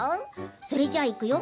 それじゃあいくよ。